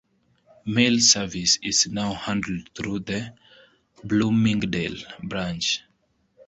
Mail service is now handled through the Bloomingdale branch.